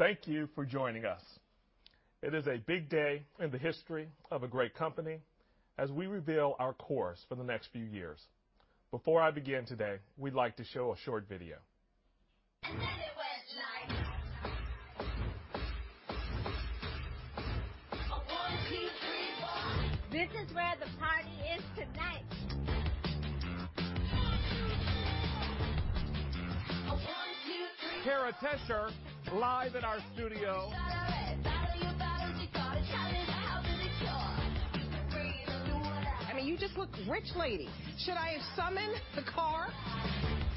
Thank you for joining us. It is a big day in the history of a great company as we reveal our course for the next few years. Before I begin today, we'd like to show a short video. It went like. One, two, three, four. This is where the party is tonight. One, two, three. One, two, three, four. Kara Starcher live in our studio. I mean, you just look rich, lady. Should I have summoned the car? Take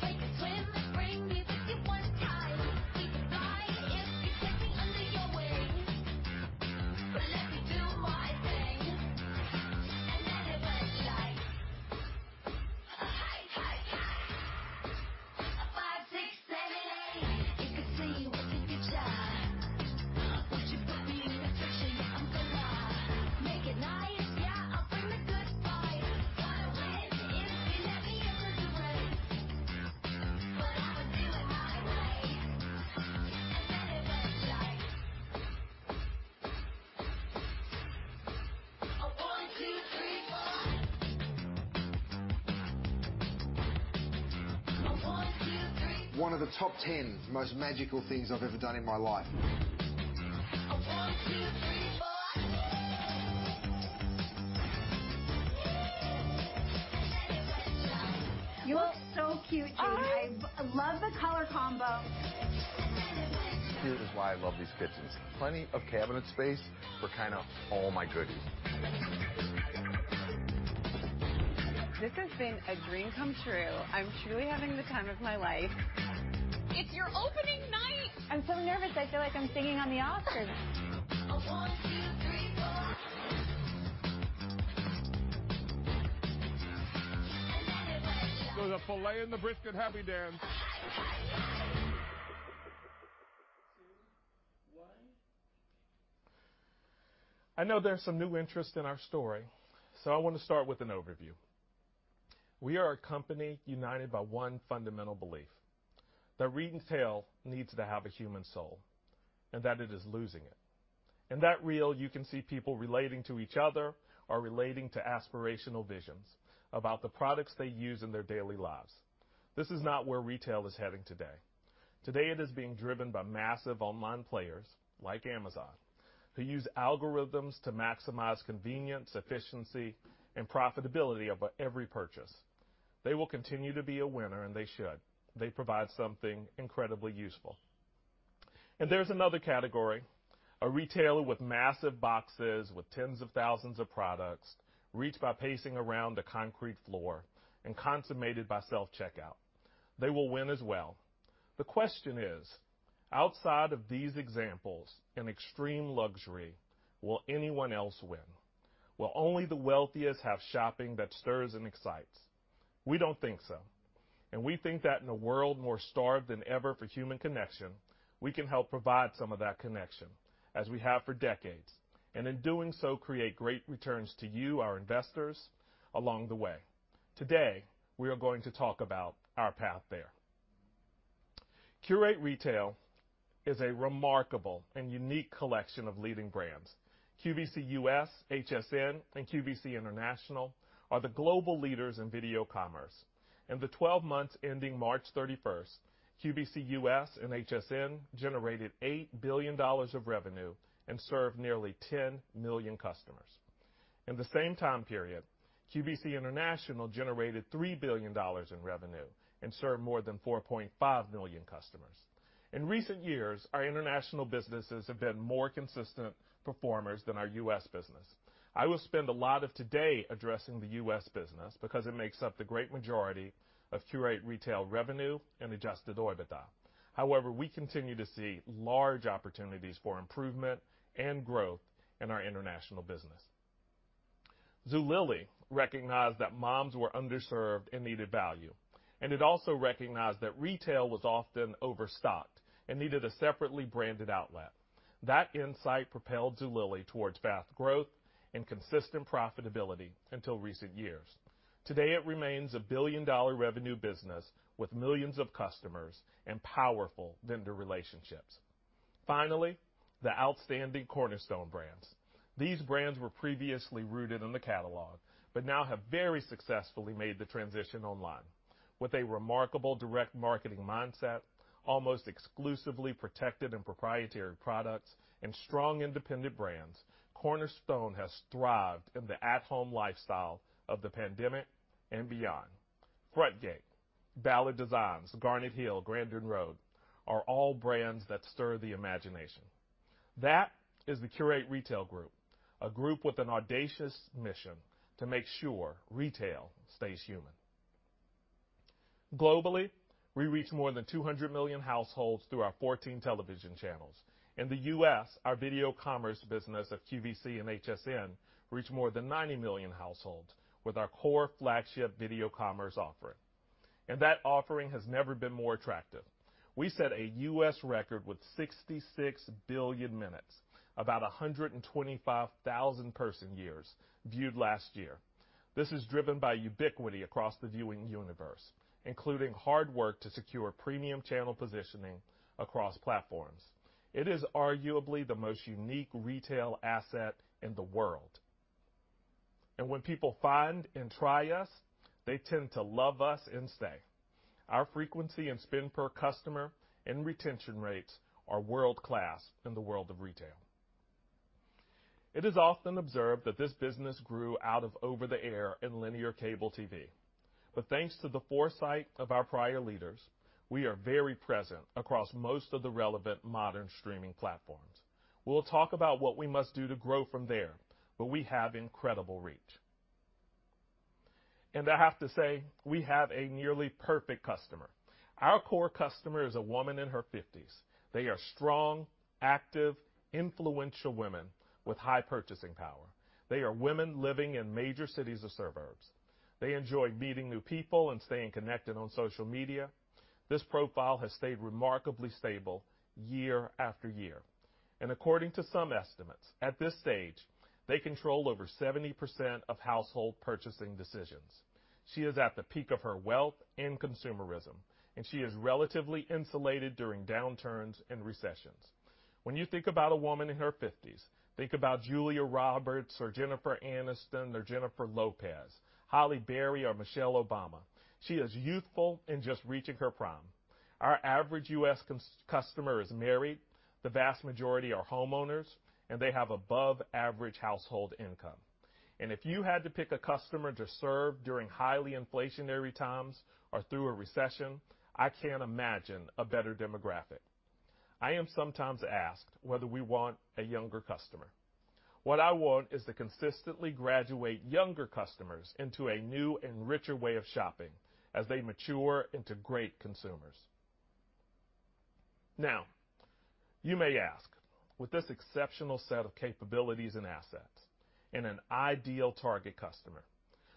a swim, bring me to see water time. We can fly if you take me under your wing. But let me do my thing. It went like. Hey, hey. A five, six, seven, eight. You can see what's in future. What you got me in the picture, yeah, I'm gonna. Make it nice, yeah, I'll bring the good fight. Gotta win if you let me into the ring. But I'ma do it my way. It went like. A one, two, three, four. A one, two, three, four. One of the top 10 most magical things I've ever done in my life. A one, two, three, four. Whoo. Whoo. It went like. You look so cute, Jamie. Oh. I love the color combo. It went like. Here is why I love these kitchens. Plenty of cabinet space for kind of all my goodies. It went like. This has been a dream come true. I'm truly having the time of my life. It's your opening night. I'm so nervous. I feel like I'm singing on The Oscars. A one, two, three, four. It went like. Do the filet and the brisket happy dance. I know there's some new interest in our story, so I want to start with an overview. We are a company united by one fundamental belief, that retail needs to have a human soul, and that it is losing it. In that reel, you can see people relating to each other or relating to aspirational visions about the products they use in their daily lives. This is not where retail is heading today. Today, it is being driven by massive online players like Amazon, who use algorithms to maximize convenience, efficiency, and profitability above every purchase. They will continue to be a winner, and they should. They provide something incredibly useful. There's another category, a retailer with massive boxes with tens of thousands of products, reached by pacing around a concrete floor and consummated by self-checkout. They will win as well. The question is, outside of these examples, in extreme luxury, will anyone else win? Will only the wealthiest have shopping that stirs and excites? We don't think so. We think that in a world more starved than ever for human connection, we can help provide some of that connection, as we have for decades, and in doing so, create great returns to you, our investors, along the way. Today, we are going to talk about our path there. Qurate Retail is a remarkable and unique collection of leading brands. QVC U.S., HSN, and QVC International are the global leaders in video commerce. In the 12 months ending March thirty-first, QVC U.S. and HSN generated $8 billion of revenue and served nearly 10 million customers. In the same time period, QVC International generated $3 billion in revenue and served more than 4.5 million customers. In recent years, our international businesses have been more consistent performers than our U.S. business. I will spend a lot of today addressing the U.S. business because it makes up the great majority of Qurate Retail revenue and adjusted OIBDA. However, we continue to see large opportunities for improvement and growth in our international business. Zulily recognized that moms were underserved and needed value, and it also recognized that retail was often overstocked and needed a separately branded outlet. That insight propelled Zulily towards fast growth and consistent profitability until recent years. Today, it remains a billion-dollar revenue business with millions of customers and powerful vendor relationships. Finally, the outstanding Cornerstone Brands. These brands were previously rooted in the catalog, but now have very successfully made the transition online. With a remarkable direct marketing mindset, almost exclusively protected and proprietary products, and strong independent brands, Cornerstone has thrived in the at-home lifestyle of the pandemic and beyond. Frontgate, Ballard Designs, Garnet Hill, Grandin Road are all brands that stir the imagination. That is the Qurate Retail Group, a group with an audacious mission to make sure retail stays human. Globally, we reach more than 200 million households through our 14 television channels. In the U.S., our video commerce business of QVC and HSN reach more than 90 million households with our core flagship video commerce offering. That offering has never been more attractive. We set a U.S. record with 66 billion minutes, about 125,000 person years viewed last year. This is driven by ubiquity across the viewing universe, including hard work to secure premium channel positioning across platforms. It is arguably the most unique retail asset in the world. When people find and try us, they tend to love us and stay. Our frequency and spend per customer and retention rates are world-class in the world of retail. It is often observed that this business grew out of over-the-air and linear cable TV. Thanks to the foresight of our prior leaders, we are very present across most of the relevant modern streaming platforms. We'll talk about what we must do to grow from there, but we have incredible reach. I have to say, we have a nearly perfect customer. Our core customer is a woman in her fifties. They are strong, active, influential women with high purchasing power. They are women living in major cities or suburbs. They enjoy meeting new people and staying connected on social media. This profile has stayed remarkably stable year-after-year, and according to some estimates, at this stage, they control over 70% of household purchasing decisions. She is at the peak of her wealth and consumerism, and she is relatively insulated during downturns and recessions. When you think about a woman in her fifties, think about Julia Roberts or Jennifer Aniston or Jennifer Lopez, Halle Berry or Michelle Obama. She is youthful and just reaching her prime. Our average U.S. customer is married, the vast majority are homeowners, and they have above-average household income. If you had to pick a customer to serve during highly inflationary times or through a recession, I can't imagine a better demographic. I am sometimes asked whether we want a younger customer. What I want is to consistently graduate younger customers into a new and richer way of shopping as they mature into great consumers. Now, you may ask, with this exceptional set of capabilities and assets and an ideal target customer,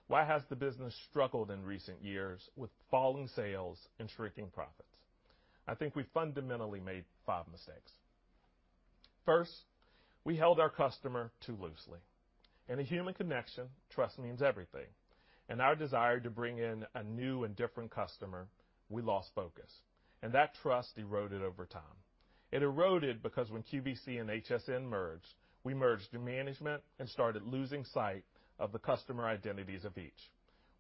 why has the business struggled in recent years with falling sales and shrinking profits? I think we fundamentally made five mistakes. First, we held our customer too loosely. In a human connection, trust means everything, and our desire to bring in a new and different customer, we lost focus, and that trust eroded over time. It eroded because when QVC and HSN merged, we merged the management and started losing sight of the customer identities of each.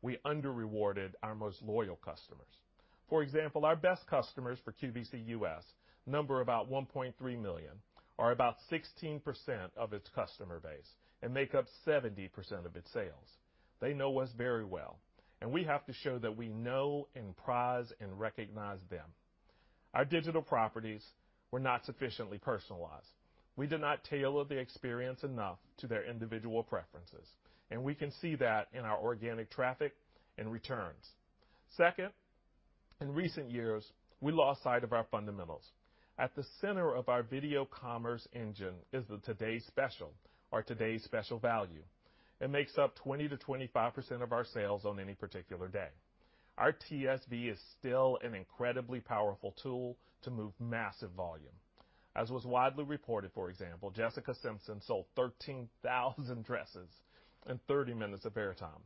We under-rewarded our most loyal customers. For example, our best customers for QVC U.S. number about 1.3 million, or about 16% of its customer base, and make up 70% of its sales. They know us very well, and we have to show that we know and prize and recognize them. Our digital properties were not sufficiently personalized. We did not tailor the experience enough to their individual preferences, and we can see that in our organic traffic and returns. Second, in recent years, we lost sight of our fundamentals. At the center of our video commerce engine is the today's special or today's special value. It makes up 20%-25% of our sales on any particular day. Our TSV is still an incredibly powerful tool to move massive volume. As was widely reported, for example, Jessica Simpson sold 13,000 dresses in 30 minutes of airtime.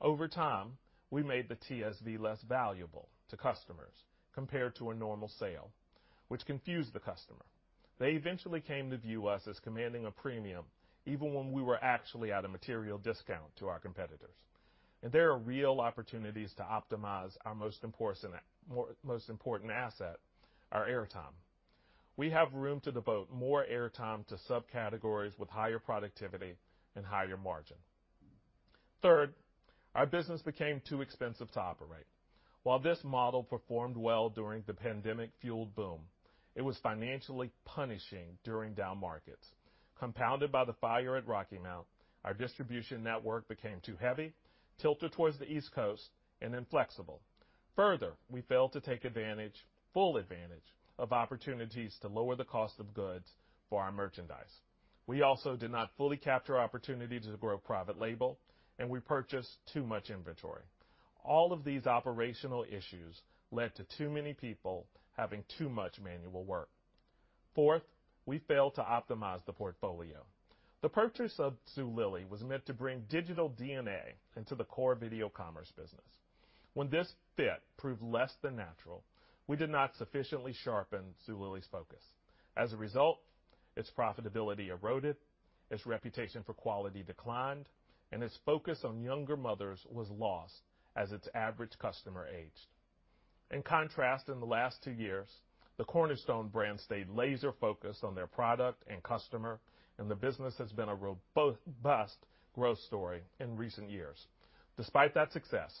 Over time, we made the TSV less valuable to customers compared to a normal sale, which confused the customer. They eventually came to view us as commanding a premium even when we were actually at a material discount to our competitors. There are real opportunities to optimize our most important asset, our airtime. We have room to devote more airtime to subcategories with higher productivity and higher margin. Third, our business became too expensive to operate. While this model performed well during the pandemic-fueled boom, it was financially punishing during down markets. Compounded by the fire at Rocky Mount, our distribution network became too heavy, tilted towards the East Coast, and inflexible. Further, we failed to take advantage, full advantage of opportunities to lower the cost of goods for our merchandise. We also did not fully capture opportunities to grow private label, and we purchased too much inventory. All of these operational issues led to too many people having too much manual work. Fourth, we failed to optimize the portfolio. The purchase of Zulily was meant to bring digital DNA into the core video commerce business. When this fit proved less than natural, we did not sufficiently sharpen Zulily's focus. As a result, its profitability eroded, its reputation for quality declined, and its focus on younger mothers was lost as its average customer aged. In contrast, in the last two years, the Cornerstone Brands stayed laser focused on their product and customer, and the business has been a robust growth story in recent years. Despite that success,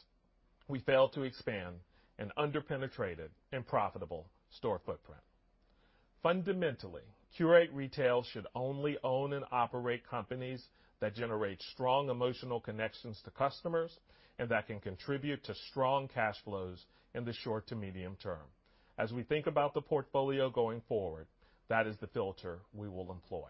we failed to expand an under-penetrated and profitable store footprint. Fundamentally, Qurate Retail should only own and operate companies that generate strong emotional connections to customers and that can contribute to strong cash flows in the short to medium term. As we think about the portfolio going forward, that is the filter we will employ.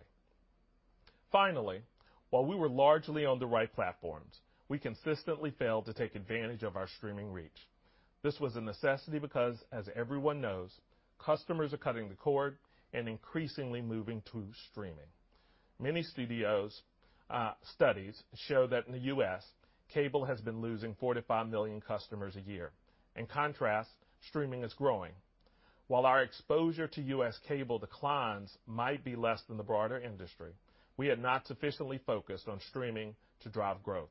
Finally, while we were largely on the right platforms, we consistently failed to take advantage of our streaming reach. This was a necessity because, as everyone knows, customers are cutting the cord and increasingly moving to streaming. Many studies show that in the U.S., cable has been losing 45 million customers a year. In contrast, streaming is growing. While our exposure to U.S. cable declines might be less than the broader industry, we had not sufficiently focused on streaming to drive growth.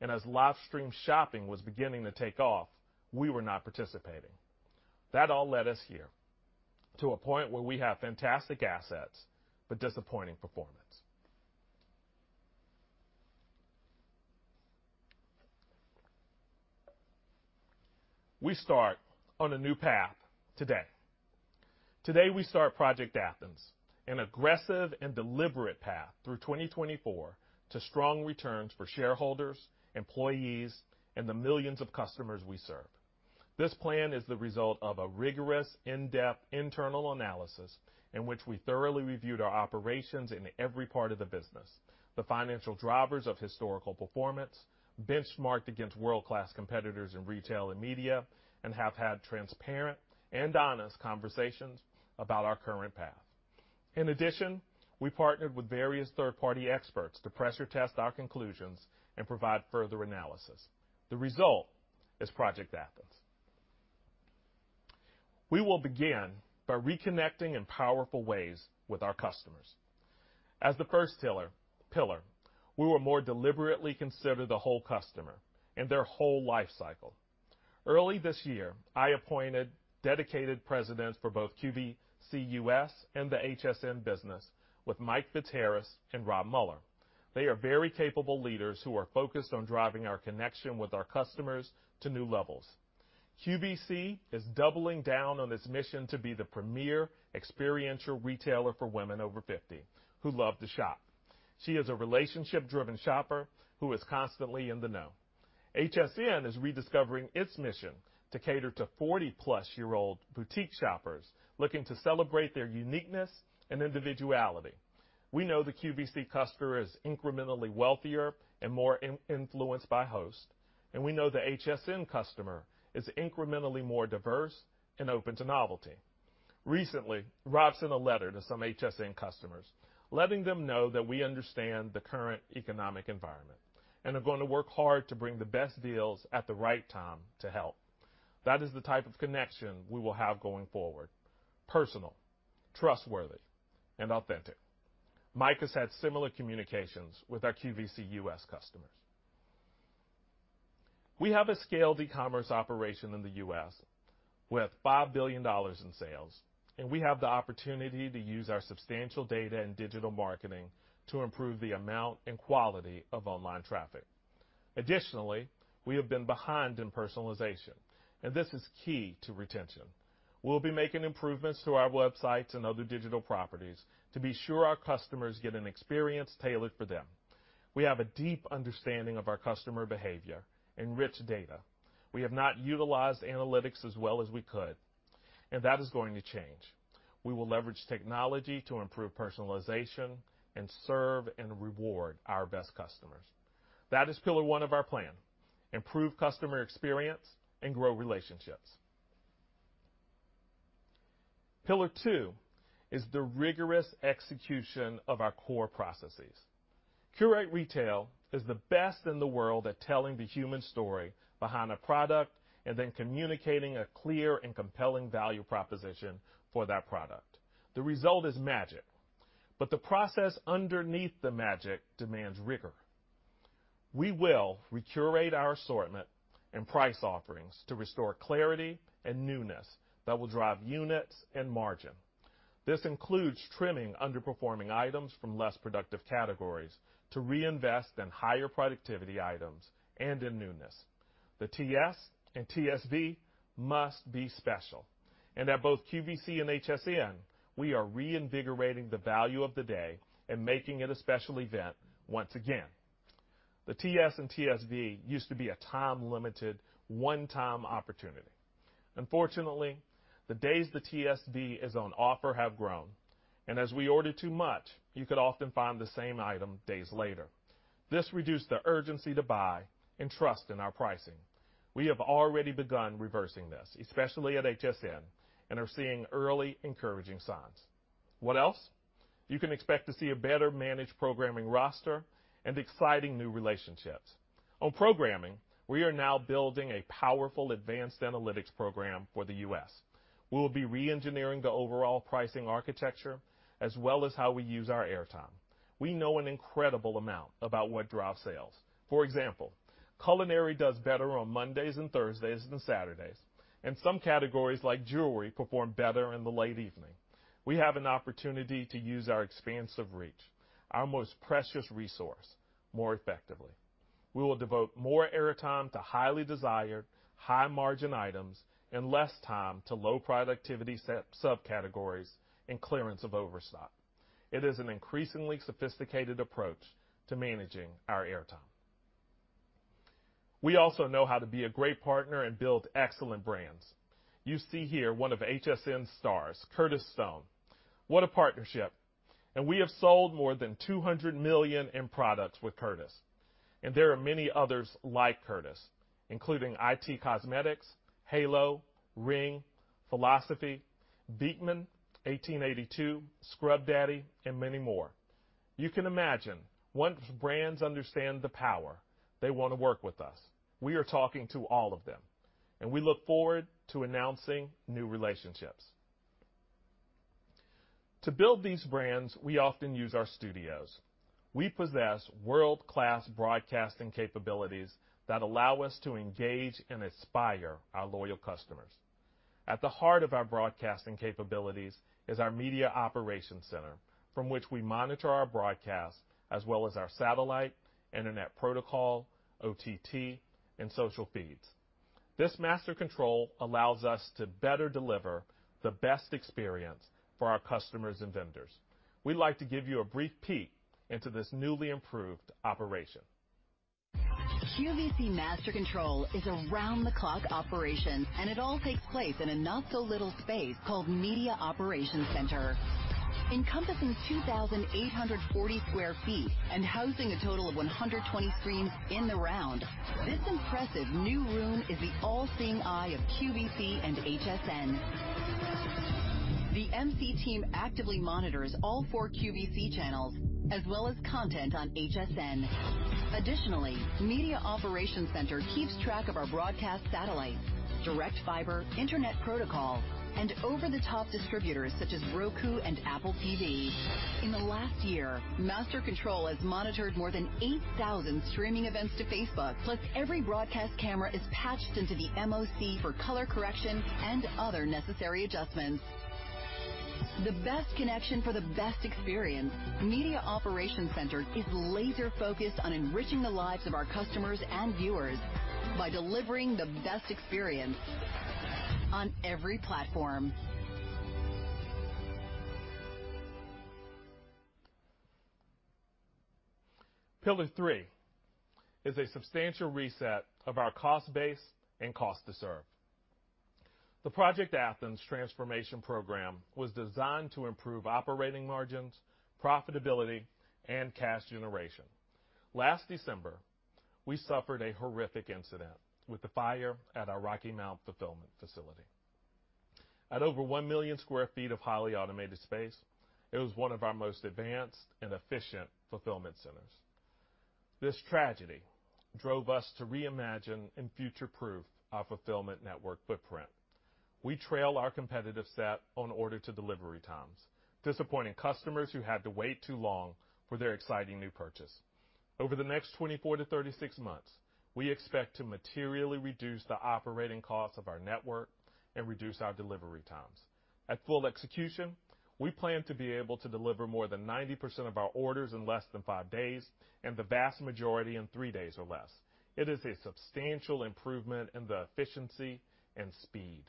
As livestream shopping was beginning to take off, we were not participating. That all led us here, to a point where we have fantastic assets but disappointing performance. We start on a new path today. Today, we start Project Athens, an aggressive and deliberate path through 2024 to strong returns for shareholders, employees, and the millions of customers we serve. This plan is the result of a rigorous, in-depth internal analysis in which we thoroughly reviewed our operations in every part of the business, the financial drivers of historical performance, benchmarked against world-class competitors in retail and media, and have had transparent and honest conversations about our current path. In addition, we partnered with various third-party experts to pressure test our conclusions and provide further analysis. The result is Project Athens. We will begin by reconnecting in powerful ways with our customers. As the first pillar, we will more deliberately consider the whole customer and their whole life cycle. Early this year, I appointed dedicated presidents for both QVC U.S. and the HSN business with Mike Fitzharris and Rob Muller. They are very capable leaders who are focused on driving our connection with our customers to new levels. QVC is doubling down on its mission to be the premier experiential retailer for women over 50 who love to shop. She is a relationship-driven shopper who is constantly in the know. HSN is rediscovering its mission to cater to 40+ year-old boutique shoppers looking to celebrate their uniqueness and individuality. We know the QVC customer is incrementally wealthier and more influenced by host, and we know the HSN customer is incrementally more diverse and open to novelty. Recently, Rob sent a letter to some HSN customers letting them know that we understand the current economic environment and are going to work hard to bring the best deals at the right time to help. That is the type of connection we will have going forward, personal, trustworthy, and authentic. Mike has had similar communications with our QVC U.S. customers. We have a scaled e-commerce operation in the U.S. with $5 billion in sales, and we have the opportunity to use our substantial data and digital marketing to improve the amount and quality of online traffic. Additionally, we have been behind in personalization, and this is key to retention. We'll be making improvements to our websites and other digital properties to be sure our customers get an experience tailored for them. We have a deep understanding of our customer behavior and rich data. We have not utilized analytics as well as we could, and that is going to change. We will leverage technology to improve personalization and serve and reward our best customers. That is pillar one of our plan, improve customer experience and grow relationships. Pillar two is the rigorous execution of our core processes. Qurate Retail is the best in the world at telling the human story behind a product and then communicating a clear and compelling value proposition for that product. The result is magic, but the process underneath the magic demands rigor. We will recurate our assortment and price offerings to restore clarity and newness that will drive units and margin. This includes trimming underperforming items from less productive categories to reinvest in higher productivity items and in newness. The TS and TSV must be special. At both QVC and HSN, we are reinvigorating the value of the day and making it a special event once again. The TS and TSV used to be a time-limited, one-time opportunity. Unfortunately, the days the TSV is on offer have grown, and as we order too much, you could often find the same item days later. This reduced the urgency to buy and trust in our pricing. We have already begun reversing this, especially at HSN, and are seeing early encouraging signs. What else? You can expect to see a better-managed programming roster and exciting new relationship. On programming, we are now building a powerful advanced analytics program for the U.S. We will be reengineering the overall pricing architecture as well as how we use our airtime. We know an incredible amount about what drives sales. For example, culinary does better on Mondays and Thursdays than Saturdays, and some categories, like jewelry, perform better in the late evening. We have an opportunity to use our expansive reach, our most precious resource, more effectively. We will devote more airtime to highly desired, high-margin items and less time to low productivity sub-subcategories and clearance of overstock. It is an increasingly sophisticated approach to managing our airtime. We also know how to be a great partner and build excellent brands. You see here one of HSN's stars, Curtis Stone. What a partnership. We have sold more than $200 million in products with Curtis, and there are many others like Curtis, including IT Cosmetics, HALO, Ring, philosophy, Beekman 1802, Scrub Daddy, and many more. You can imagine once brands understand the power, they wanna work with us. We are talking to all of them, and we look forward to announcing new relationships. To build these brands, we often use our studios. We possess world-class broadcasting capabilities that allow us to engage and inspire our loyal customers. At the heart of our broadcasting capabilities is our Media Operations Center, from which we monitor our broadcasts as well as our satellite, internet protocol, OTT, and social feeds. This master control allows us to better deliver the best experience for our customers and vendors. We'd like to give you a brief peek into this newly improved operation. QVC Master Control is around-the-clock operation, and it all takes place in a not-so-little space called Media Operations Center. Encompassing 2,840 sq ft and housing a total of 120 screens in the round, this impressive new room is the all-seeing eye of QVC and HSN. The MC team actively monitors all four QVC channels as well as content on HSN. Additionally, Media Operations Center keeps track of our broadcast satellites, direct fiber, internet protocol, and over-the-top distributors such as Roku and Apple TV. In the last year, Master Control has monitored more than 8,000 streaming events to Facebook. Plus, every broadcast camera is patched into the MOC for color correction and other necessary adjustments. The best connection for the best experience, Media Operations Center is laser focused on enriching the lives of our customers and viewers by delivering the best experience on every platform. Pillar three is a substantial reset of our cost base and cost to serve. The Project Athens transformation program was designed to improve operating margins, profitability, and cash generation. Last December, we suffered a horrific incident with the fire at our Rocky Mount fulfillment facility. At over 1 million sq ft of highly automated space, it was one of our most advanced and efficient fulfillment centers. This tragedy drove us to reimagine and future-proof our fulfillment network footprint. We trail our competitive set on order to delivery times, disappointing customers who had to wait too long for their exciting new purchase. Over the next 24-36 months, we expect to materially reduce the operating costs of our network and reduce our delivery times. At full execution, we plan to be able to deliver more than 90% of our orders in less than five days and the vast majority in three days or less. It is a substantial improvement in the efficiency and speed.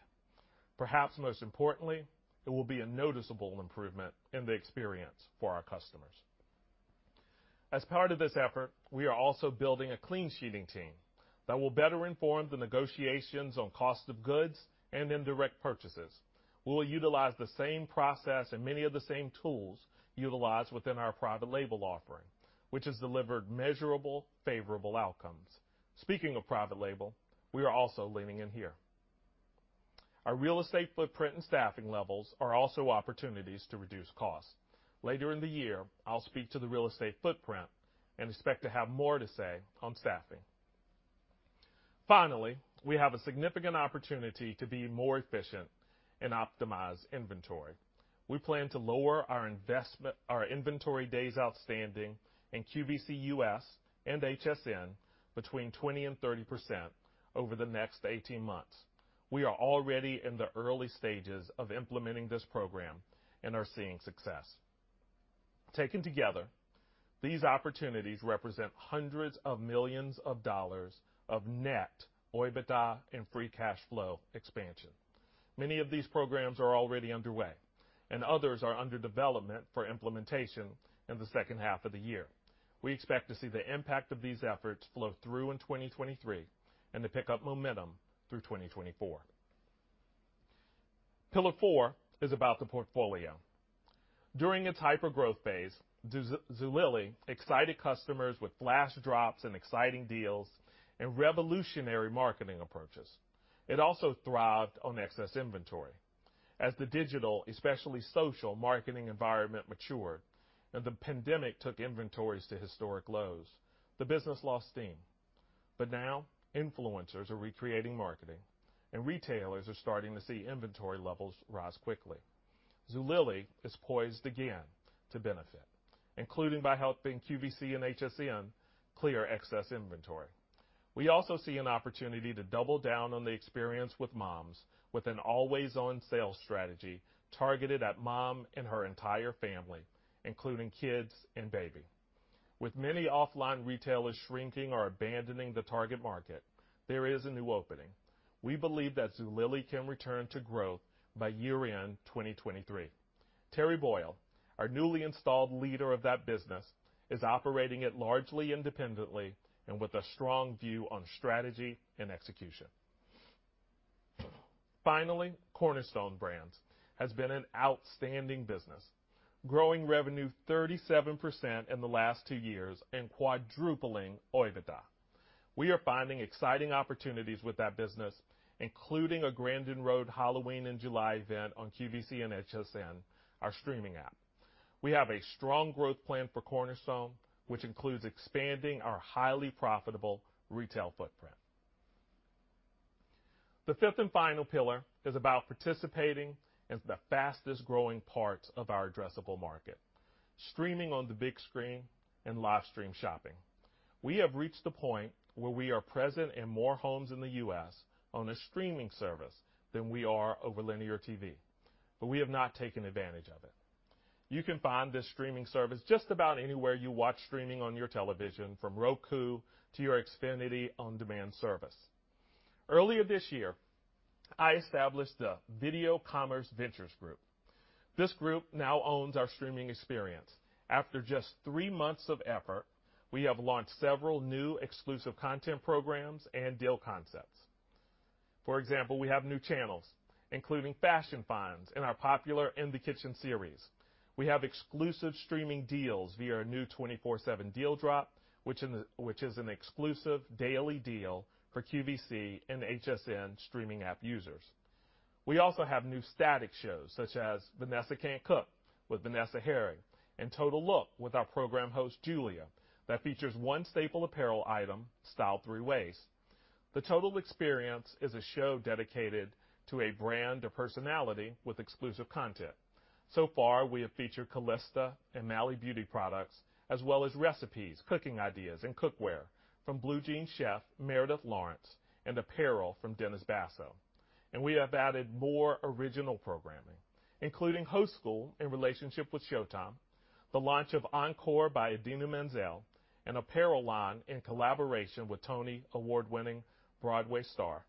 Perhaps most importantly, it will be a noticeable improvement in the experience for our customers. As part of this effort, we are also building a clean sheeting team that will better inform the negotiations on cost of goods and indirect purchases. We will utilize the same process and many of the same tools utilized within our private label offering, which has delivered measurable, favorable outcomes. Speaking of private label, we are also leaning in here. Our real estate footprint and staffing levels are also opportunities to reduce costs. Later in the year, I'll speak to the real estate footprint and expect to have more to say on staffing. Finally, we have a significant opportunity to be more efficient and optimize inventory. We plan to lower our investment in our inventory days outstanding in QVC U.S. and HSN between 20% and 30% over the next 18 months. We are already in the early stages of implementing this program and are seeing success. Taken together, these opportunities represent $hundreds of millions of net OIBDA and free cash flow expansion. Many of these programs are already underway, and others are under development for implementation in the second half of the year. We expect to see the impact of these efforts flow through in 2023 and to pick up momentum through 2024. Pillar four is about the portfolio. During its hypergrowth phase, Zulily excited customers with flash drops and exciting deals and revolutionary marketing approaches. It also thrived on excess inventory. As the digital, especially social, marketing environment matured and the pandemic took inventories to historic lows, the business lost steam. Now influencers are recreating marketing, and retailers are starting to see inventory levels rise quickly. Zulily is poised again to benefit, including by helping QVC and HSN clear excess inventory. We also see an opportunity to double down on the experience with moms with an always-on sales strategy targeted at mom and her entire family, including kids and baby. With many offline retailers shrinking or abandoning the target market, there is a new opening. We believe that Zulily can return to growth by year-end 2023. Terry Boyle, our newly installed leader of that business, is operating it largely independently and with a strong view on strategy and execution. Finally, Cornerstone Brands has been an outstanding business, growing revenue 37% in the last two years and quadrupling OIBDA. We are finding exciting opportunities with that business, including a Grandin Road Halloween in July event on QVC and HSN, our streaming app. We have a strong growth plan for Cornerstone, which includes expanding our highly profitable retail footprint. The fifth and final pillar is about participating in the fastest-growing parts of our addressable market, streaming on the big screen and live stream shopping. We have reached a point where we are present in more homes in the U.S. on a streaming service than we are over linear TV, but we have not taken advantage of it. You can find this streaming service just about anywhere you watch streaming on your television, from Roku to your Xfinity On Demand service. Earlier this year, I established the vCommerce Ventures Group. This group now owns our streaming experience. After just three months of effort, we have launched several new exclusive content programs and deal concepts. For example, we have new channels, including Fashion Finds and our popular In the Kitchen series. We have exclusive streaming deals via our new 24/7 Deal Drop, which is an exclusive daily deal for QVC and HSN streaming app users. We also have new static shows such as Vanessa Can't Cook with Vanessa Herring and Total Look with our program host, Julia, that features one staple apparel item styled three ways. The Total Experience is a show dedicated to a brand or personality with exclusive content. So far, we have featured Calista and Mally Beauty products as well as recipes, cooking ideas, and cookware from Blue Jean Chef, Meredith Laurence, and apparel from Dennis Basso. We have added more original programming, including Host School in relationship with Showtime, the launch of Encore by Idina Menzel, an apparel line in collaboration with Tony Award-winning Broadway Star,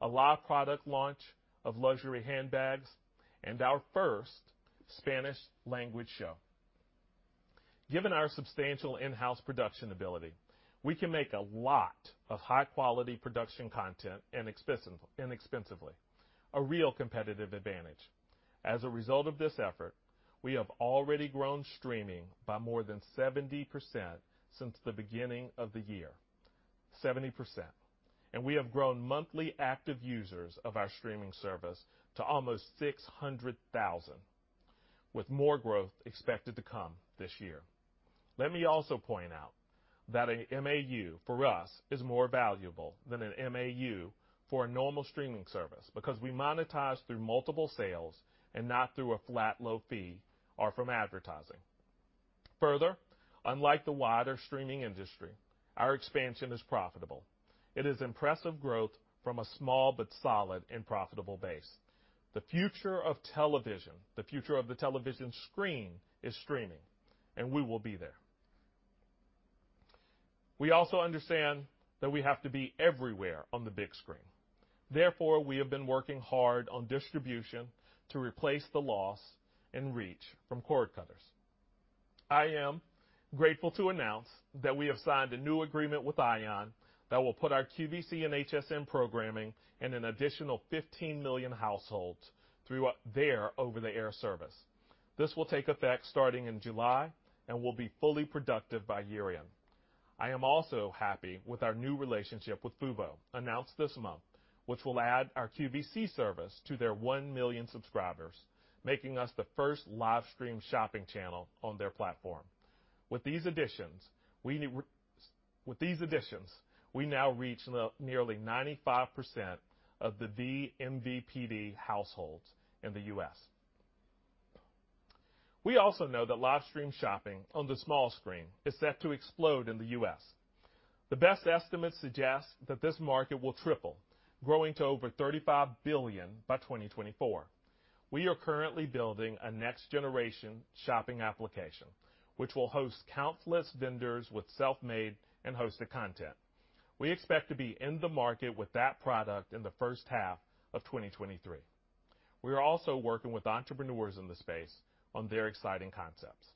a live product launch of luxury handbags, and our first Spanish language show. Given our substantial in-house production ability, we can make a lot of high-quality production content inexpensively, a real competitive advantage. As a result of this effort, we have already grown streaming by more than 70% since the beginning of the year. 70%. We have grown monthly active users of our streaming service to almost 600,000, with more growth expected to come this year. Let me also point out that an MAU for us is more valuable than an MAU for a normal streaming service because we monetize through multiple sales and not through a flat low fee or from advertising. Further, unlike the wider streaming industry, our expansion is profitable. It is impressive growth from a small but solid and profitable base. The future of television, the future of the television screen, is streaming, and we will be there. We also understand that we have to be everywhere on the big screen. Therefore, we have been working hard on distribution to replace the loss and reach from cord cutters. I am grateful to announce that we have signed a new agreement with Ion that will put our QVC and HSN programming in an additional 15 million households through their over-the-air service. This will take effect starting in July and will be fully productive by year-end. I am also happy with our new relationship with Fubo, announced this month, which will add our QVC service to their 1 million subscribers, making us the first live stream shopping channel on their platform. With these additions, we now reach nearly 95% of the vMVPD households in the U.S. We also know that live stream shopping on the small screen is set to explode in the U.S. The best estimates suggest that this market will triple, growing to over $35 billion by 2024. We are currently building a next generation shopping application, which will host countless vendors with self-made and hosted content. We expect to be in the market with that product in the first half of 2023. We are also working with entrepreneurs in the space on their exciting concepts.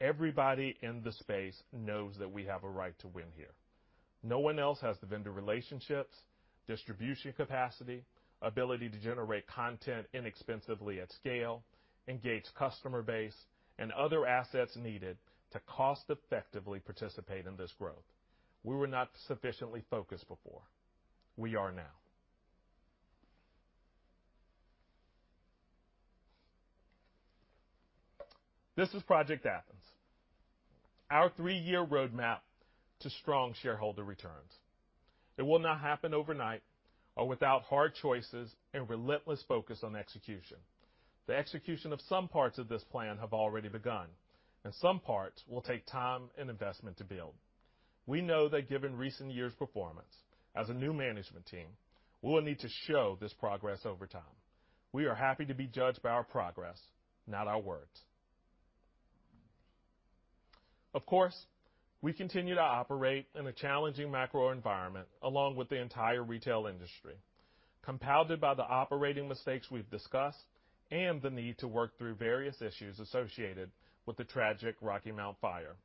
Everybody in the space knows that we have a right to win here. No one else has the vendor relationships, distribution capacity, ability to generate content inexpensively at scale, engaged customer base, and other assets needed to cost effectively participate in this growth. We were not sufficiently focused before. We are now. This is Project Athens, our three-year roadmap to strong shareholder returns. It will not happen overnight or without hard choices and relentless focus on execution. The execution of some parts of this plan have already begun, and some parts will take time and investment to build. We know that given recent years' performance as a new management team, we will need to show this progress over time. We are happy to be judged by our progress, not our words. Of course, we continue to operate in a challenging macro environment along with the entire retail industry, compounded by the operating mistakes we've discussed and the need to work through various issues associated with the tragic Rocky Mount fire.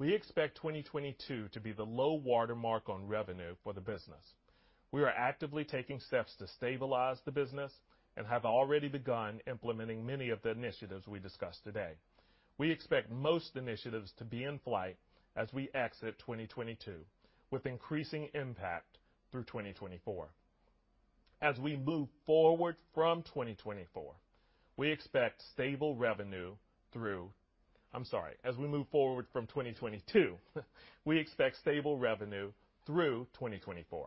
We expect 2022 to be the low watermark on revenue for the business. We are actively taking steps to stabilize the business and have already begun implementing many of the initiatives we discussed today. We expect most initiatives to be in flight as we exit 2022, with increasing impact through 2024. As we move forward from 2024, we expect stable revenue through... I'm sorry. As we move forward from 2022, we expect stable revenue through 2024.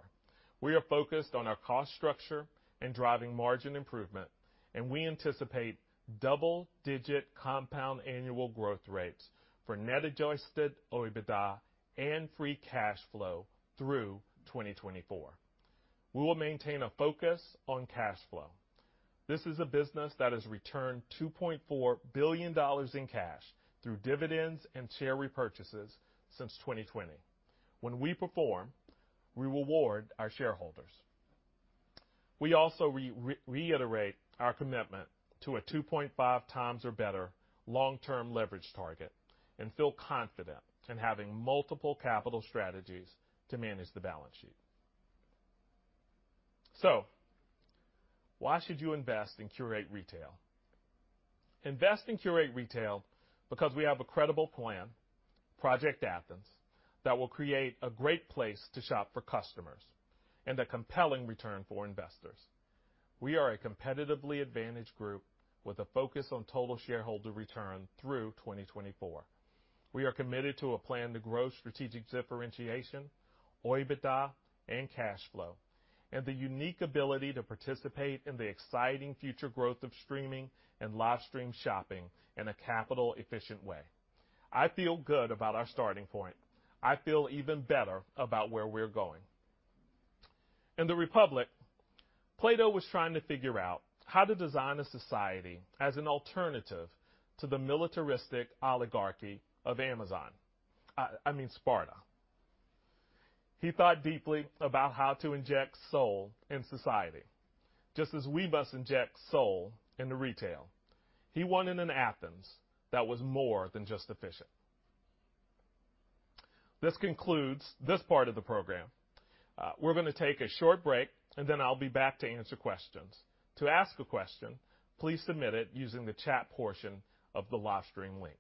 We are focused on our cost structure and driving margin improvement, and we anticipate double-digit compound annual growth rates for net adjusted OIBDA and free cash flow through 2024. We will maintain a focus on cash flow. This is a business that has returned $2.4 billion in cash through dividends and share repurchases since 2020. When we perform, we reward our shareholders. We also reiterate our commitment to a 2.5x or better long-term leverage target and feel confident in having multiple capital strategies to manage the balance sheet. Why should you invest in Qurate Retail? Invest in Qurate Retail because we have a credible plan, Project Athens, that will create a great place to shop for customers and a compelling return for investors. We are a competitively advantaged group with a focus on total shareholder return through 2024. We are committed to a plan to grow strategic differentiation, OIBDA, and cash flow, and the unique ability to participate in the exciting future growth of streaming and live stream shopping in a capital efficient way. I feel good about our starting point. I feel even better about where we're going. In the Republic, Plato was trying to figure out how to design a society as an alternative to the militaristic oligarchy of Amazon. I mean, Sparta. He thought deeply about how to inject soul in society, just as we must inject soul into retail. He wanted an Athens that was more than just efficient. This concludes this part of the program. We're gonna take a short break, and then I'll be back to answer questions. To ask a question, please submit it using the chat portion of the live stream link.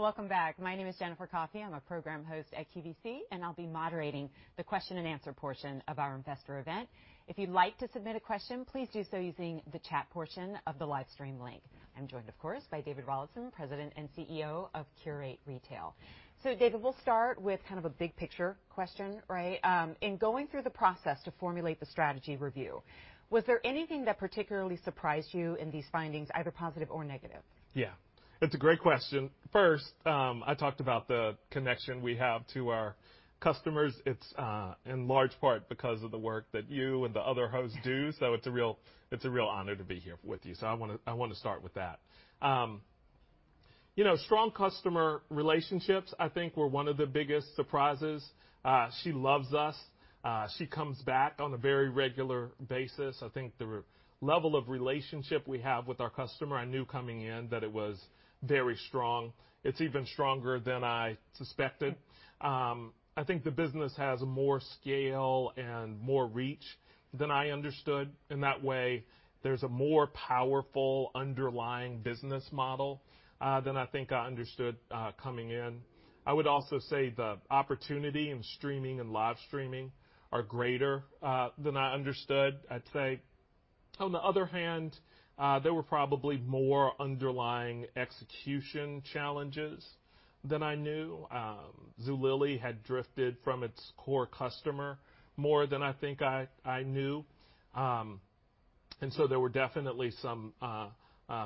Welcome back. My name is Jennifer Coffey. I'm a program host at QVC, and I'll be moderating the question and answer portion of our investor event. If you'd like to submit a question, please do so using the chat portion of the live stream link. I'm joined, of course, by David Rawlinson, President and CEO of Qurate Retail. David, we'll start with kind of a big picture question, right? In going through the process to formulate the strategy review, was there anything that particularly surprised you in these findings, either positive or negative? Yeah. It's a great question. First, I talked about the connection we have to our customers. It's in large part because of the work that you and the other hosts do, so it's a real honor to be here with you, so I wanna start with that. You know, strong customer relationships, I think, were one of the biggest surprises. She loves us. She comes back on a very regular basis. I think the level of relationship we have with our customer, I knew coming in that it was very strong. It's even stronger than I suspected. I think the business has more scale and more reach than I understood. In that way, there's a more powerful underlying business model than I think I understood coming in. I would also say the opportunity in streaming and live streaming are greater than I understood, I'd say. On the other hand, there were probably more underlying execution challenges than I knew. Zulily had drifted from its core customer more than I think I knew. There were definitely some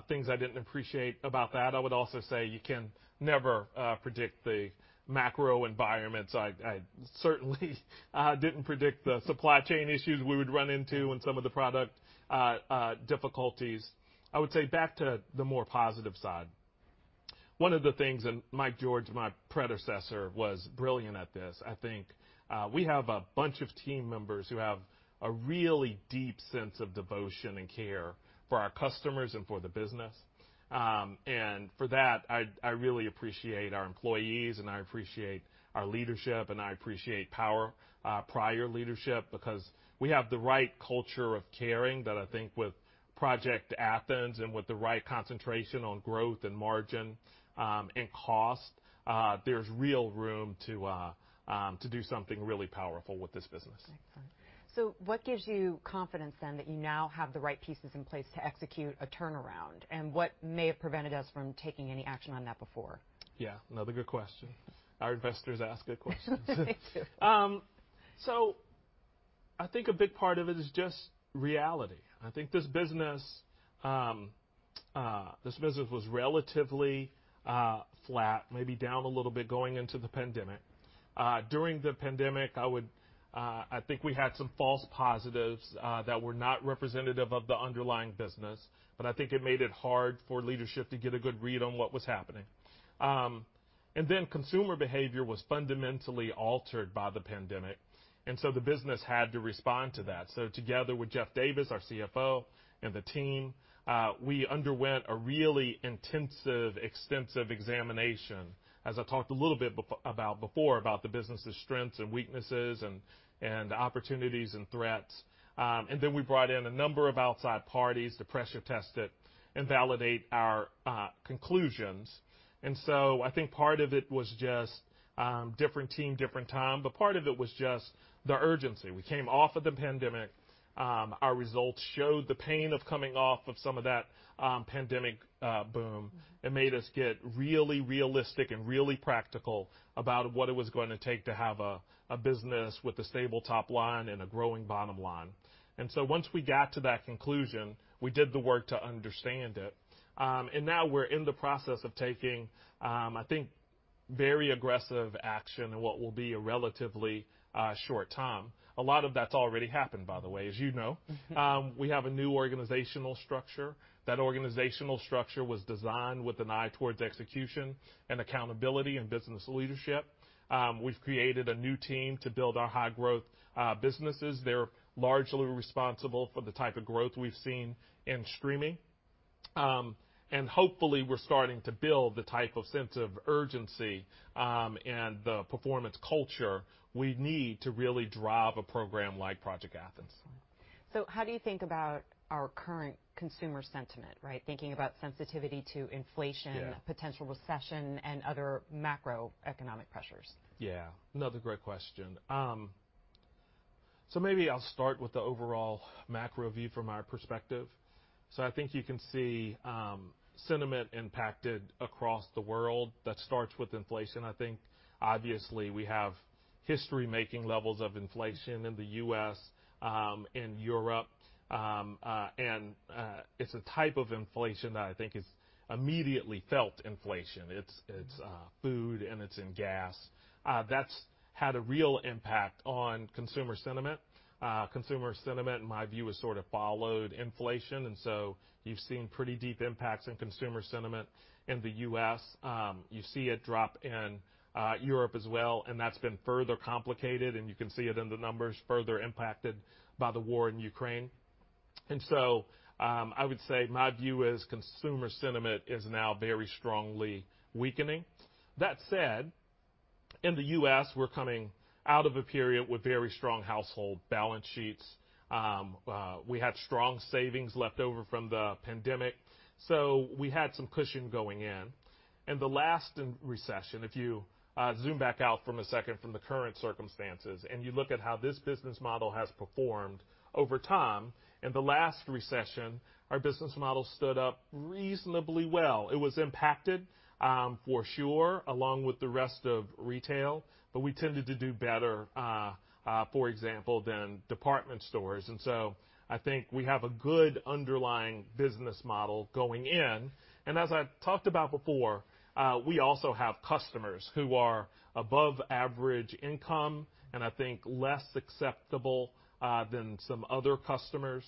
things I didn't appreciate about that. I would also say you can never predict the macro environment, so I certainly didn't predict the supply chain issues we would run into and some of the product difficulties. I would say back to the more positive side, one of the things, and Mike George, my predecessor, was brilliant at this, I think. We have a bunch of team members who have a really deep sense of devotion and care for our customers and for the business. I really appreciate our employees, and I appreciate our leadership, and I appreciate prior leadership because we have the right culture of caring that I think with Project Athens and with the right concentration on growth and margin, and cost, there's real room to do something really powerful with this business. Excellent. What gives you confidence then that you now have the right pieces in place to execute a turnaround, and what may have prevented us from taking any action on that before? Yeah. Another good question. Our investors ask good questions. Thank you. I think a big part of it is just reality. I think this business was relatively flat, maybe down a little bit going into the pandemic. During the pandemic, I would think we had some false positives that were not representative of the underlying business, but I think it made it hard for leadership to get a good read on what was happening. Consumer behavior was fundamentally altered by the pandemic, and the business had to respond to that. Together with Bill Wafford, our CFO, and the team, we underwent a really intensive, extensive examination, as I talked a little bit about before, about the business' strengths and weaknesses and opportunities and threats. We brought in a number of outside parties to pressure test it and validate our conclusions. I think part of it was just different team, different time, but part of it was just the urgency. We came off of the pandemic. Our results showed the pain of coming off of some of that pandemic boom. Mm-hmm. It made us get really realistic and really practical about what it was gonna take to have a business with a stable top line and a growing bottom line. Once we got to that conclusion, we did the work to understand it. Now we're in the process of taking, I think, very aggressive action in what will be a relatively short time. A lot of that's already happened, by the way, as you know. Mm-hmm. We have a new organizational structure. That organizational structure was designed with an eye toward execution and accountability and business leadership. We've created a new team to build our high-growth businesses. They're largely responsible for the type of growth we've seen in streaming. Hopefully, we're starting to build the type of sense of urgency and the performance culture we need to really drive a program like Project Athens. How do you think about our current consumer sentiment, right? Thinking about sensitivity to inflation. Yeah. potential recession, and other macroeconomic pressures. Yeah. Another great question. Maybe I'll start with the overall macro view from our perspective. I think you can see sentiment impacted across the world. That starts with inflation, I think. Obviously, we have history-making levels of inflation in the U.S., in Europe, and it's a type of inflation that I think is immediately felt inflation. It's food, and it's in gas. That's had a real impact on consumer sentiment. Consumer sentiment, in my view, has sort of followed inflation, and so you've seen pretty deep impacts in consumer sentiment in the U.S. You see a drop in Europe as well, and that's been further complicated, and you can see it in the numbers further impacted by the war in Ukraine. I would say my view is consumer sentiment is now very strongly weakening. That said, in the U.S., we're coming out of a period with very strong household balance sheets. We had strong savings left over from the pandemic, so we had some cushion going in. In the last recession, if you zoom back out for a second from the current circumstances and you look at how this business model has performed over time, in the last recession, our business model stood up reasonably well. It was impacted, for sure, along with the rest of retail, but we tended to do better, for example, than department stores. I think we have a good underlying business model going in. As I've talked about before, we also have customers who are above average income and I think less susceptible than some other customers.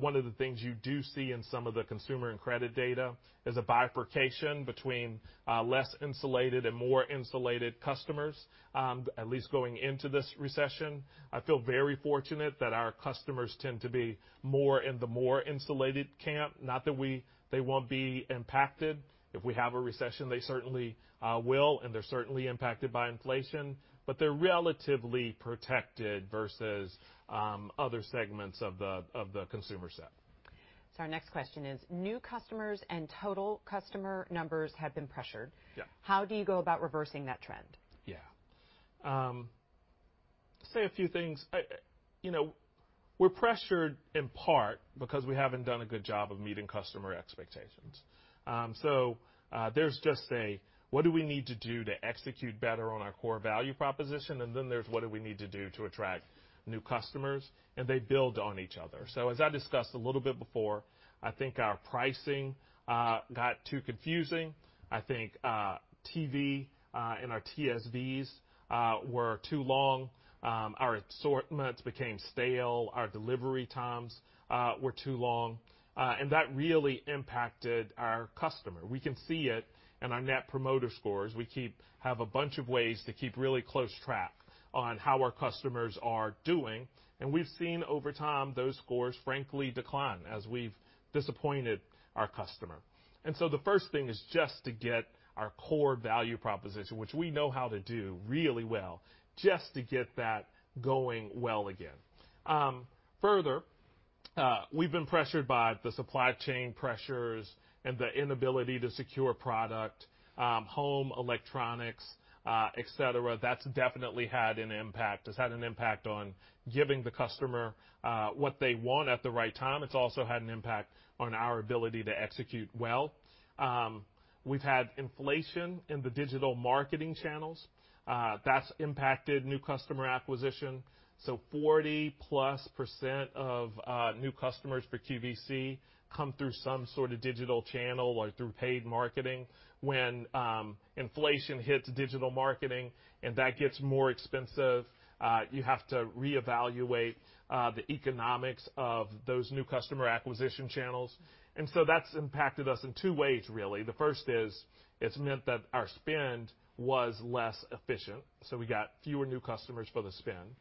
One of the things you do see in some of the consumer and credit data is a bifurcation between less insulated and more insulated customers, at least going into this recession. I feel very fortunate that our customers tend to be more in the more insulated camp. Not that they won't be impacted. If we have a recession, they certainly will, and they're certainly impacted by inflation, but they're relatively protected versus other segments of the consumer set. Our next question is new customers and total customer numbers have been pressured. Yeah. How do you go about reversing that trend? You know, we're pressured in part because we haven't done a good job of meeting customer expectations. There's just what we need to do to execute better on our core value proposition. Then there's what we need to do to attract new customers. They build on each other. As I discussed a little bit before, I think our pricing got too confusing. I think TV and our TSVs were too long. Our assortments became stale. Our delivery times were too long and that really impacted our customer. We can see it in our Net Promoter Score. We have a bunch of ways to keep really close track on how our customers are doing, and we've seen over time those scores, frankly, decline as we've disappointed our customer. The first thing is just to get our core value proposition, which we know how to do really well, just to get that going well again. Further, we've been pressured by the supply chain pressures and the inability to secure product, home electronics, et cetera. That's definitely had an impact. It's had an impact on giving the customer what they want at the right time. It's also had an impact on our ability to execute well. We've had inflation in the digital marketing channels. That's impacted new customer acquisition. 40%+ of new customers for QVC come through some sort of digital channel or through paid marketing. When inflation hits digital marketing and that gets more expensive, you have to reevaluate the economics of those new customer acquisition channels. That's impacted us in two ways really. The first is it's meant that our spend was less efficient, so we got fewer new customers for the spend.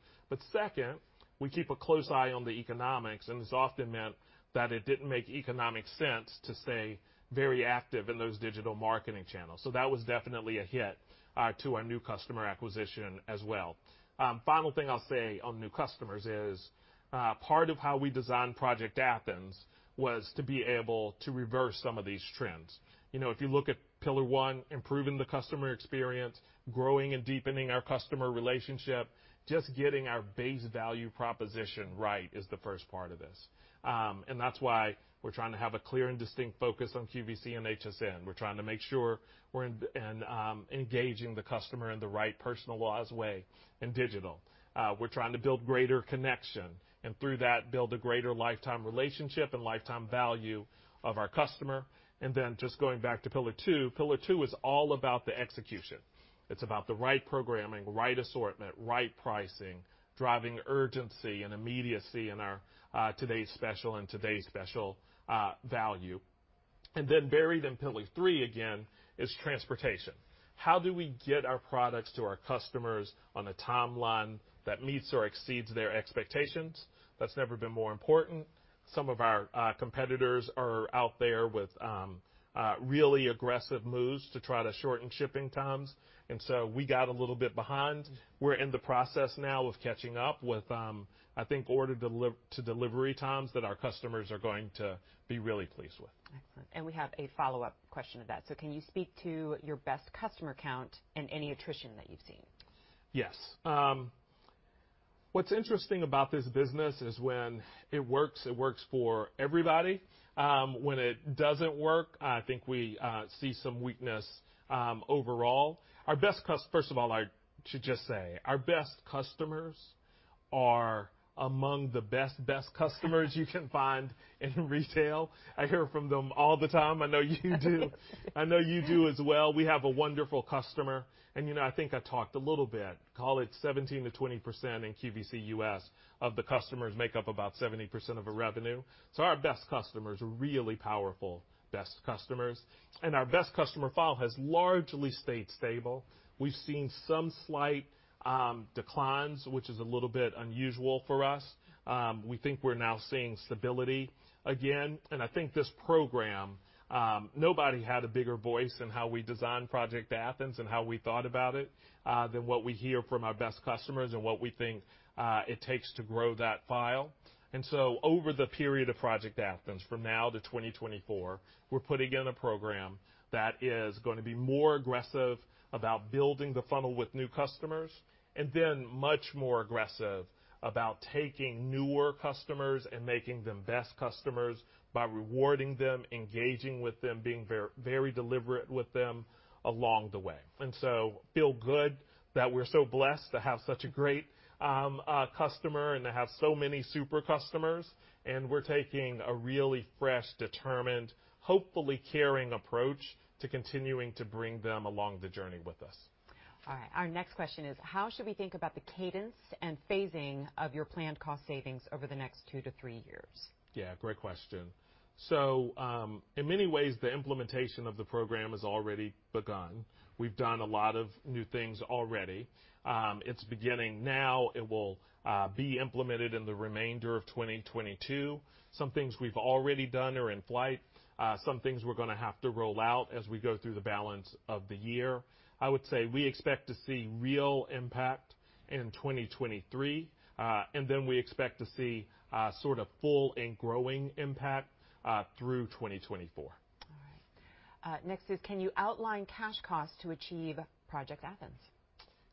Second, we keep a close eye on the economics, and it's often meant that it didn't make economic sense to stay very active in those digital marketing channels. That was definitely a hit to our new customer acquisition as well. Final thing I'll say on new customers is part of how we designed Project Athens was to be able to reverse some of these trends. You know, if you look at pillar one, improving the customer experience, growing and deepening our customer relationship, just getting our base value proposition right is the first part of this. That's why we're trying to have a clear and distinct focus on QVC and HSN. We're trying to make sure we're engaging the customer in the right personalized way in digital. We're trying to build greater connection and through that, build a greater lifetime relationship and lifetime value of our customer. Just going back to pillar two, pillar two is all about the execution. It's about the right programming, right assortment, right pricing, driving urgency and immediacy in our today's special value. Buried in pillar three again is transportation. How do we get our products to our customers on a timeline that meets or exceeds their expectations? That's never been more important. Some of our competitors are out there with really aggressive moves to try to shorten shipping times. We got a little bit behind. We're in the process now of catching up with, I think order to delivery times that our customers are going to be really pleased with. Excellent. We have a follow-up question to that. Can you speak to your best customer count and any attrition that you've seen? Yes. What's interesting about this business is when it works, it works for everybody. When it doesn't work, I think we see some weakness overall. First of all, I should just say our best customers are among the best customers you can find in retail. I hear from them all the time. I know you do. I know you do as well. We have a wonderful customer, and you know, I think I talked a little bit, call it 17%-20% in QVC U.S. of the customers make up about 70% of our revenue. So our best customers are really powerful best customers, and our best customer file has largely stayed stable. We've seen some slight declines, which is a little bit unusual for us. We think we're now seeing stability again, and I think this program, nobody had a bigger voice in how we designed Project Athens and how we thought about it, than what we hear from our best customers and what we think it takes to grow that file. Over the period of Project Athens from now to 2024, we're putting in a program that is gonna be more aggressive about building the funnel with new customers and then much more aggressive about taking newer customers and making them best customers by rewarding them, engaging with them, being very deliberate with them along the way. Feel good that we're so blessed to have such a great customer and to have so many super customers. We're taking a really fresh, determined, hopefully caring approach to continuing to bring them along the journey with us. All right. Our next question is how should we think about the cadence and phasing of your planned cost savings over the nexttwo to three years? Yeah, great question. In many ways, the implementation of the program has already begun. We've done a lot of new things already. It's beginning now. It will be implemented in the remainder of 2022. Some things we've already done are in flight. Some things we're gonna have to roll out as we go through the balance of the year. I would say we expect to see real impact in 2023, and then we expect to see, sort of full and growing impact, through 2024. All right. Next, can you outline cash costs to achieve Project Athens?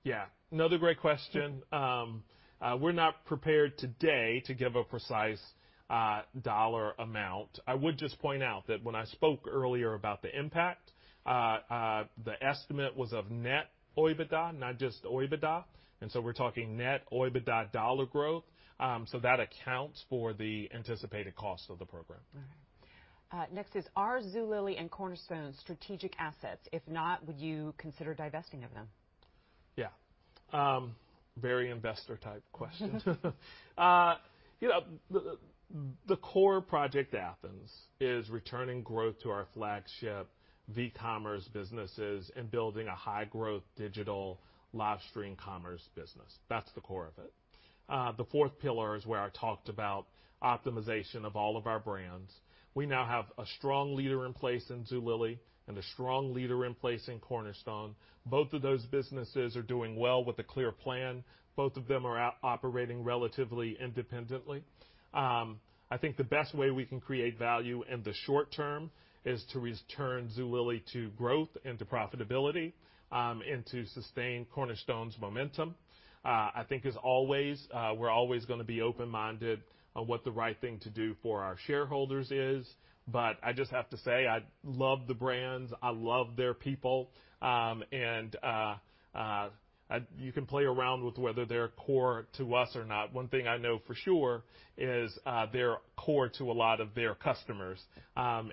Yeah. Another great question. We're not prepared today to give a precise dollar amount. I would just point out that when I spoke earlier about the impact, the estimate was of net OIBDA, not just OIBDA. We're talking net OIBDA dollar growth, so that accounts for the anticipated cost of the program. All right. Next is are Zulily and Cornerstone strategic assets? If not, would you consider divesting of them? Yeah. Very investor type question? Mm-hmm. You know, the core Project Athens is returning growth to our flagship vCommerce businesses and building a high growth digital live stream commerce business. That's the core of it. The fourth pillar is where I talked about optimization of all of our brands. We now have a strong leader in place in Zulily and a strong leader in place in Cornerstone. Both of those businesses are doing well with a clear plan. Both of them are out operating relatively independently. I think the best way we can create value in the short term is to return Zulily to growth and to profitability, and to sustain Cornerstone's momentum. I think as always, we're always gonna be open-minded on what the right thing to do for our shareholders is, but I just have to say, I love the brands. I love their people. You can play around with whether they're core to us or not. One thing I know for sure is, they're core to a lot of their customers. Both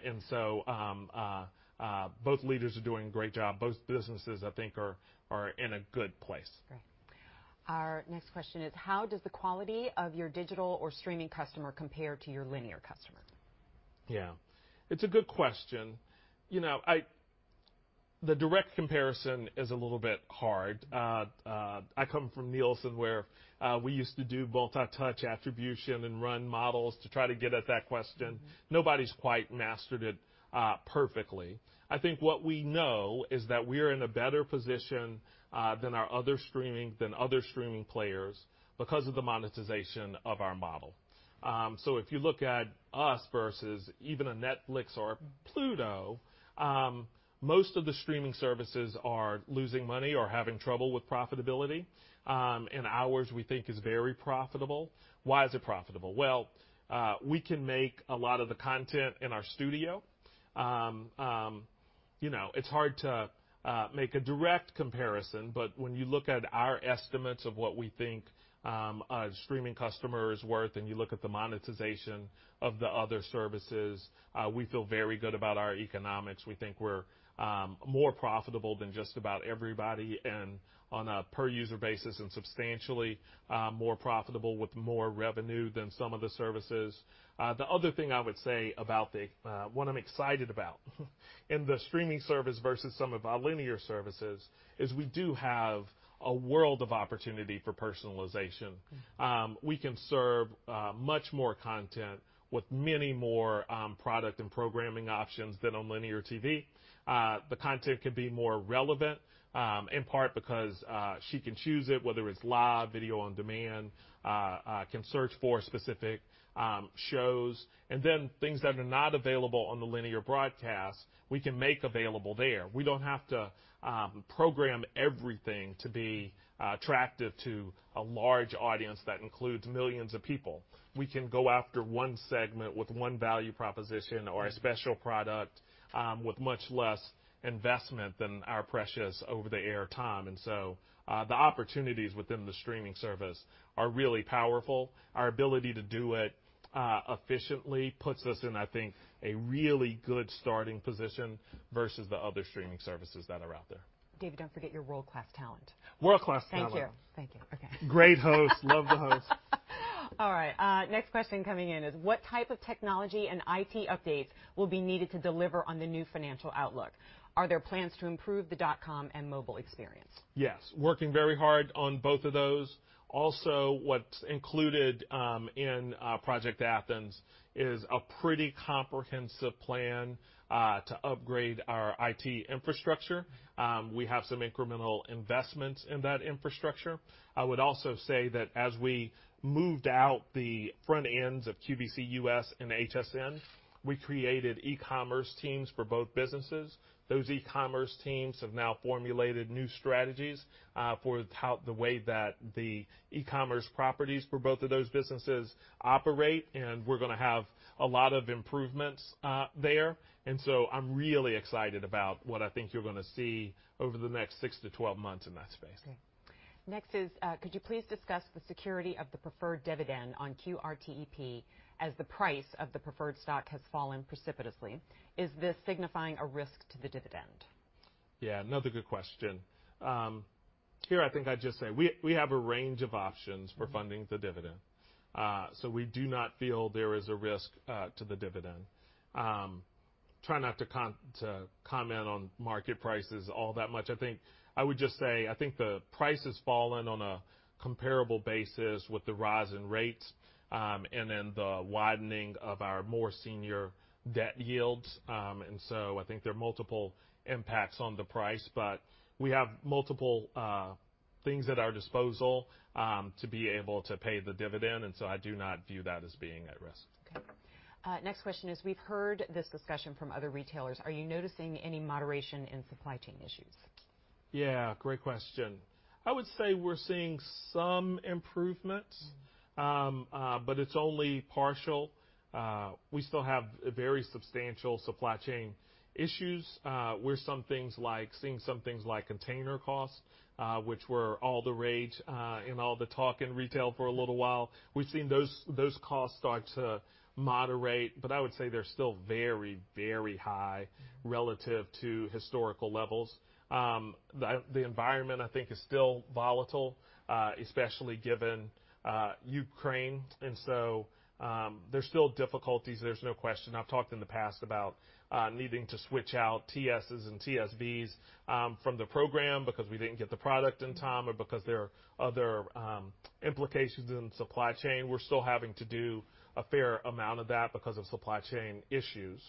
leaders are doing a great job. Both businesses, I think, are in a good place. Great. Our next question is how does the quality of your digital or streaming customer compare to your linear customer? Yeah. It's a good question. You know, the direct comparison is a little bit hard. I come from Nielsen, where we used to do multi-touch attribution and run models to try to get at that question. Mm-hmm. Nobody's quite mastered it perfectly. I think what we know is that we're in a better position than other streaming players because of the monetization of our model. If you look at us versus even a Netflix or Pluto TV, most of the streaming services are losing money or having trouble with profitability. Ours, we think, is very profitable. Why is it profitable? Well, we can make a lot of the content in our studio. You know, it's hard to make a direct comparison, but when you look at our estimates of what we think a streaming customer is worth and you look at the monetization of the other services, we feel very good about our economics. We think we're more profitable than just about everybody and on a per user basis and substantially more profitable with more revenue than some of the services. The other thing I would say about what I'm excited about in the streaming service versus some of our linear services is we do have a world of opportunity for personalization. We can serve much more content with many more product and programming options than on linear TV. The content can be more relevant in part because she can choose it, whether it's live, video on demand, can search for specific shows. Things that are not available on the linear broadcast, we can make available there. We don't have to program everything to be attractive to a large audience that includes millions of people. We can go after one segment with one value proposition or a special product with much less investment than our precious over the air time. The opportunities within the streaming service are really powerful. Our ability to do it efficiently puts us in, I think, a really good starting position versus the other streaming services that are out there. David, don't forget your world-class talent. World-class talent. Thank you. Okay. Great host. Love the host. All right, next question coming in is what type of technology and IT updates will be needed to deliver on the new financial outlook? Are there plans to improve the dot-com and mobile experience? Yes. Working very hard on both of those. Also, what's included in Project Athens is a pretty comprehensive plan to upgrade our IT infrastructure. We have some incremental investments in that infrastructure. I would also say that as we moved out the front ends of QVC U.S. and HSN, we created e-commerce teams for both businesses. Those e-commerce teams have now formulated new strategies for the way that the e-commerce properties for both of those businesses operate, and we're gonna have a lot of improvements there. I'm really excited about what I think you're gonna see over the next 6-12 months in that space. Okay. Next is, could you please discuss the security of the preferred dividend on QRTEP as the price of the preferred stock has fallen precipitously? Is this signifying a risk to the dividend? Yeah, another good question. Here I think I'd just say we have a range of options for funding the dividend. We do not feel there is a risk to the dividend. Try not to comment on market prices all that much. I think I would just say I think the price has fallen on a comparable basis with the rise in rates, and then the widening of our more senior debt yields. I think there are multiple impacts on the price, but we have multiple things at our disposal to be able to pay the dividend, and I do not view that as being at risk. Okay. Next question is we've heard this discussion from other retailers. Are you noticing any moderation in supply chain issues? Yeah, great question. I would say we're seeing some improvements. Mm-hmm. It's only partial. We still have very substantial supply chain issues where some things like container costs, which were all the rage and all the talk in retail for a little while. We've seen those costs start to moderate, but I would say they're still very, very high relative to historical levels. The environment, I think, is still volatile, especially given Ukraine. There's still difficulties. There's no question. I've talked in the past about needing to switch out TS's and TSV's from the program because we didn't get the product in time or because there are other implications in supply chain. We're still having to do a fair amount of that because of supply chain issues.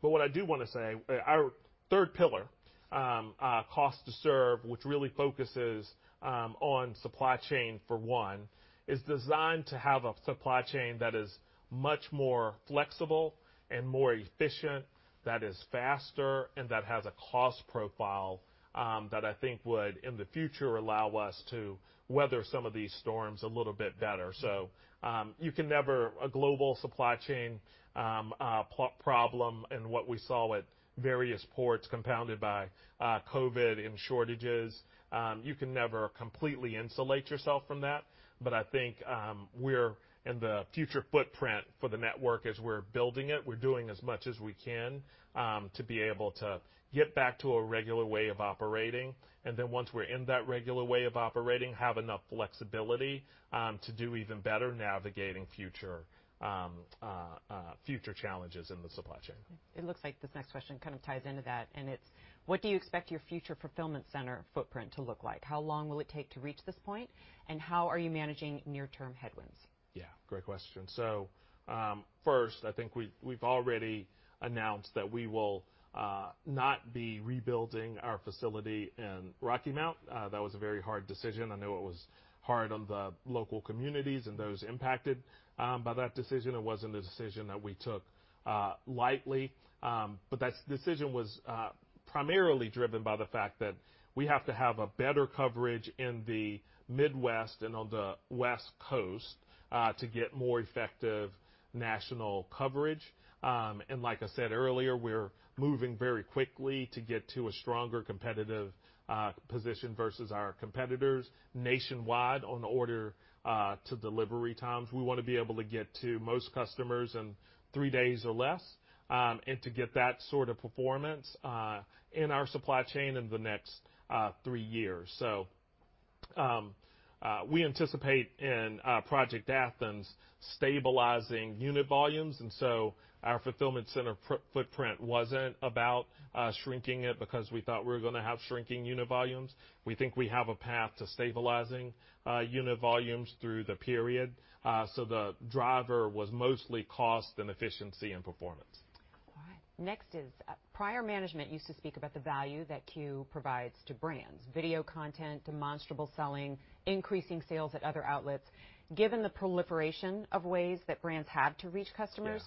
What I do wanna say, our third pillar, cost to serve, which really focuses on supply chain for one, is designed to have a supply chain that is much more flexible and more efficient, that is faster, and that has a cost profile that I think would, in the future, allow us to weather some of these storms a little bit better. You can never completely insulate yourself from that. A global supply chain problem and what we saw at various ports compounded by COVID and shortages, you can never completely insulate yourself from that. I think we're in the future footprint for the network as we're building it, we're doing as much as we can to be able to get back to a regular way of operating. Once we're in that regular way of operating, have enough flexibility to do even better navigating future challenges in the supply chain. It looks like this next question kind of ties into that, and it's what do you expect your future fulfillment center footprint to look like? How long will it take to reach this point, and how are you managing near-term headwinds? Yeah, great question. First, I think we've already announced that we will not be rebuilding our facility in Rocky Mount. That was a very hard decision. I know it was hard on the local communities and those impacted by that decision. It wasn't a decision that we took lightly. That decision was primarily driven by the fact that we have to have a better coverage in the Midwest and on the West Coast to get more effective national coverage. Like I said earlier, we're moving very quickly to get to a stronger competitive position versus our competitors nationwide on order to delivery times. We wanna be able to get to most customers in three days or less, and to get that sort of performance in our supply chain in the next three years. We anticipate in Project Athens stabilizing unit volumes, and so our fulfillment center footprint wasn't about shrinking it because we thought we were gonna have shrinking unit volumes. We think we have a path to stabilizing unit volumes through the period. The driver was mostly cost and efficiency and performance. All right. Next is, prior management used to speak about the value that Q provides to brands, video content, demonstrable selling, increasing sales at other outlets. Given the proliferation of ways that brands have to reach customers.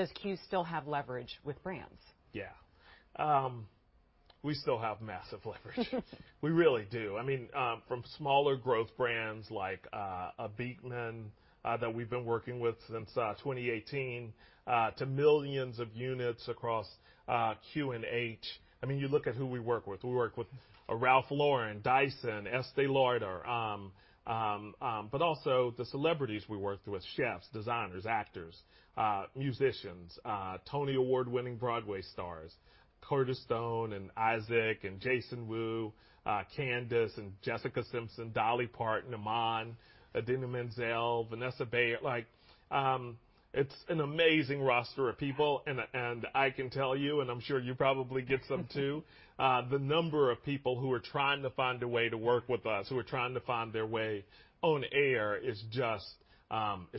Yeah. Does Q still have leverage with brands? Yeah. We still have massive leverage. We really do. I mean, from smaller growth brands like a Beekman that we've been working with since 2018 to millions of units across Q and H. I mean, you look at who we work with. We work with a Ralph Lauren, Dyson, Estée Lauder. But also the celebrities we work with, chefs, designers, actors, musicians, Tony Award-winning Broadway stars, Curtis Stone and Isaac and Jason Wu, Candace and Jessica Simpson, Dolly Parton, Iman, Idina Menzel, Vanessa Williams. Like, it's an amazing roster of people. I can tell you, and I'm sure you probably get some too, the number of people who are trying to find a way to work with us, who are trying to find their way on air is just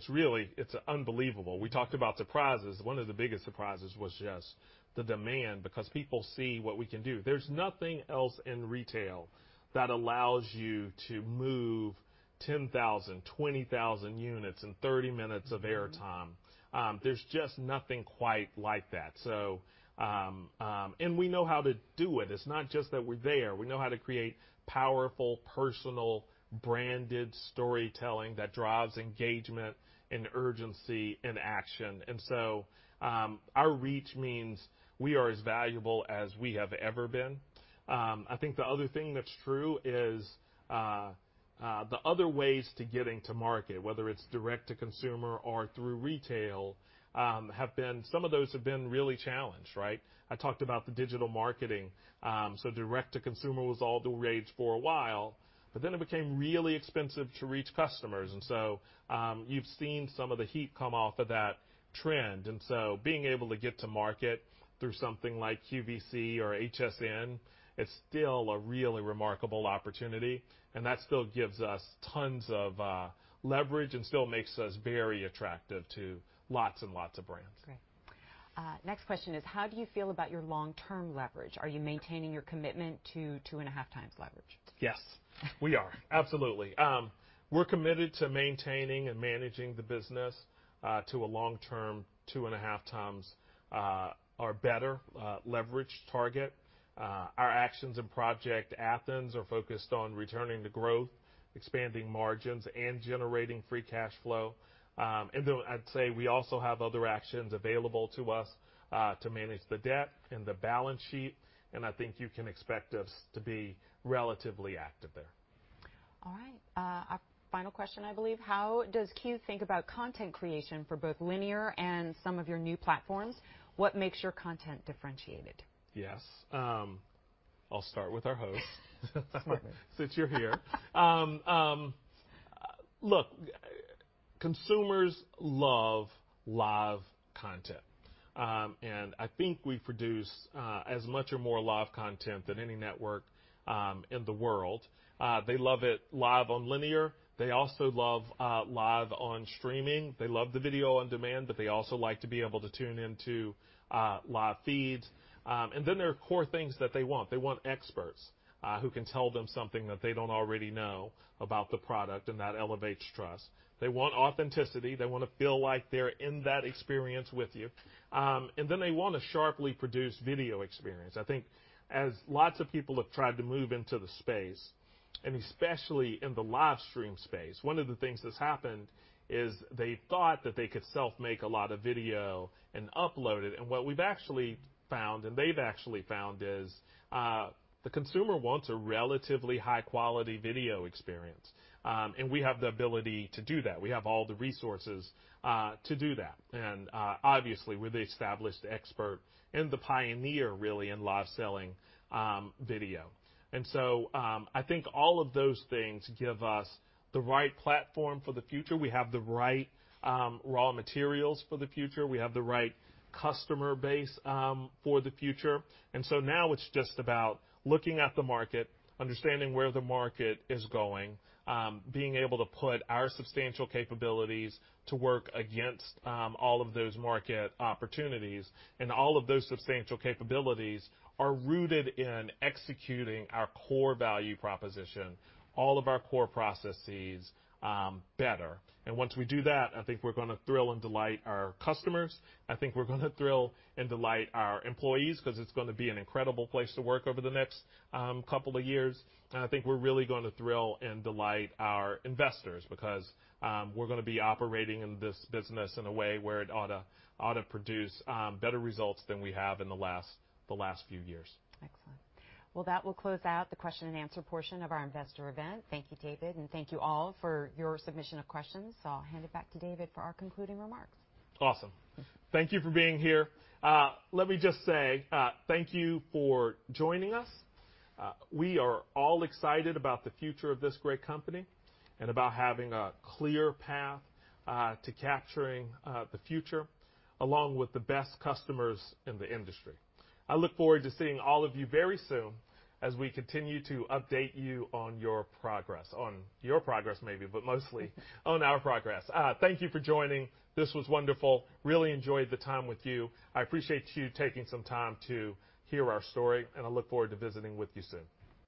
really unbelievable. We talked about surprises. One of the biggest surprises was just the demand because people see what we can do. There's nothing else in retail that allows you to move 10,000, 20,000 units in 30 minutes of airtime. There's just nothing quite like that. We know how to do it. It's not just that we're there. We know how to create powerful, personal, branded storytelling that drives engagement and urgency and action. Our reach means we are as valuable as we have ever been. I think the other thing that's true is, the other ways to getting to market, whether it's direct to consumer or through retail, some of those have been really challenged, right? I talked about the digital marketing. Direct to consumer was all the rage for a while, but then it became really expensive to reach customers. You've seen some of the heat come off of that trend. Being able to get to market through something like QVC or HSN is still a really remarkable opportunity, and that still gives us tons of leverage and still makes us very attractive to lots and lots of brands. Great. Next question is, how do you feel about your long-term leverage? Are you maintaining your commitment to 2.5x leverage? Yes. We are. Absolutely. We're committed to maintaining and managing the business to a long-term 2.5x or better leverage target. Our actions in Project Athens are focused on returning to growth, expanding margins, and generating free cash flow. I'd say we also have other actions available to us to manage the debt and the balance sheet, and I think you can expect us to be relatively active there. All right. Our final question, I believe, how does Q think about content creation for both linear and some of your new platforms? What makes your content differentiated? Yes. I'll start with our host. Certainly. Since you're here. Look, consumers love live content. I think we produce as much or more live content than any network in the world. They love it live on linear. They also love live on streaming. They love the video on demand, but they also like to be able to tune into live feeds. Then there are core things that they want. They want experts who can tell them something that they don't already know about the product, and that elevates trust. They want authenticity. They wanna feel like they're in that experience with you. Then they want a sharply produced video experience. I think as lots of people have tried to move into the space, and especially in the live stream space, one of the things that's happened is they thought that they could self-make a lot of video and upload it. What we've actually found, and they've actually found, is the consumer wants a relatively high-quality video experience. We have the ability to do that. We have all the resources to do that. Obviously, we're the established expert and the pioneer, really, in live selling video. I think all of those things give us the right platform for the future. We have the right raw materials for the future. We have the right customer base for the future. Now it's just about looking at the market, understanding where the market is going, being able to put our substantial capabilities to work against all of those market opportunities. All of those substantial capabilities are rooted in executing our core value proposition, all of our core processes, better. Once we do that, I think we're gonna thrill and delight our customers. I think we're gonna thrill and delight our employees 'cause it's gonna be an incredible place to work over the next couple of years. I think we're really gonna thrill and delight our investors because we're gonna be operating in this business in a way where it ought to produce better results than we have in the last few years. Excellent. Well, that will close out the question and answer portion of our investor event. Thank you, David, and thank you all for your submission of questions. I'll hand it back to David for our concluding remarks. Awesome. Thank you for being here. Let me just say, thank you for joining us. We are all excited about the future of this great company and about having a clear path to capturing the future, along with the best customers in the industry. I look forward to seeing all of you very soon as we continue to update you on your progress. On your progress, maybe, but mostly on our progress. Thank you for joining. This was wonderful. Really enjoyed the time with you. I appreciate you taking some time to hear our story, and I look forward to visiting with you soon.